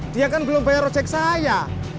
dia kan belum bayar ojek saya